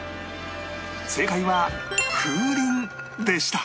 正解は風鈴でした